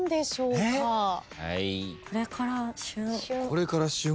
これから旬。